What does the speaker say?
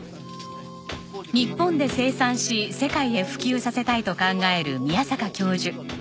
日本で生産し世界へ普及させたいと考える宮坂教授。